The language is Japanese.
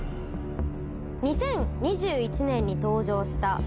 ２０２１年に登場した。